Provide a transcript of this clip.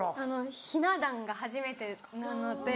ひな壇が初めてなので。